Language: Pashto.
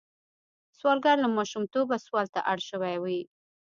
سوالګر له ماشومتوبه سوال ته اړ شوی وي